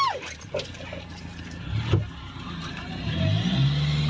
อ่า